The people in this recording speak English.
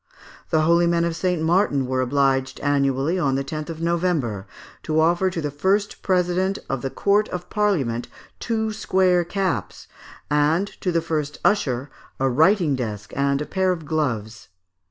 The holy men of St. Martin were obliged, annually, on the 10th of November, to offer to the first President of the Court of Parliament, two square caps, and to the first usher, a writing desk and a pair of gloves.